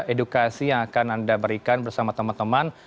edukasi yang akan anda berikan bersama teman teman